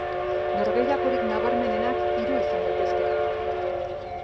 Norgehiagokarik nabarmenenak hiru izan daitezke.